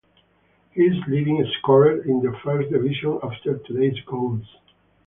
He is leading scorer in the First Division after today's goals.